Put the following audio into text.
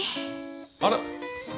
あら！